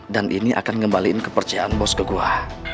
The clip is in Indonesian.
dan ini akan kembaliin kepercayaan bos ke gua